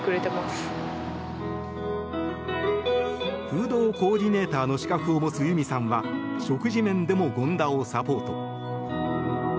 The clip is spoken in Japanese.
フードコーディネーターの資格を持つ裕美さんは食事面でも権田をサポート。